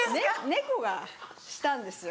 猫がしたんですよ